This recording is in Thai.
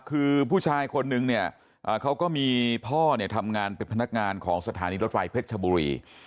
คือผู้ชายคนนึงเนี่ยเขาก็มีพ่อเนี่ยทำงานเป็นพนักงานของสถานีรถไฟเพชรชบุรี